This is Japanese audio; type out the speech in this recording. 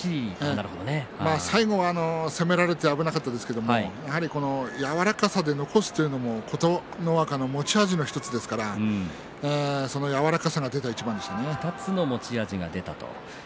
最後は攻められて危なかったんですけれども柔らかさで残すというのも琴ノ若の持ち味の１つですから２つの持ち味が出た相撲です。